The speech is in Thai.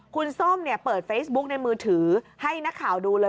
คุณส้มเนี่ยเปิดเฟซบุ๊กในมือถือให้นักข่าวดูเลย